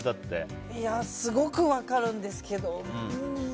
すごく分かるんですけど。